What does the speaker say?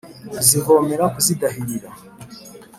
kuzivomera kuzidahirira